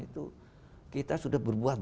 itu kita sudah berbuat